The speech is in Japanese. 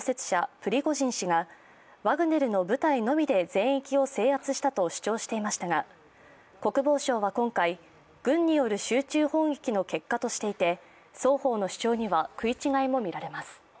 プリゴジン氏がワグネルの部隊のみで全域を制圧したと主張していましたが国防省は今回、軍による集中砲撃の結果としていて双方の主張には食い違いも見られます。